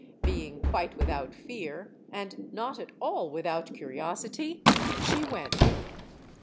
Being quite without fear, and not at all without curiosity, she went.